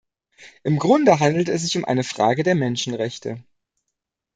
Im Grunde handelt es sich um eine Frage der Menschenrechte.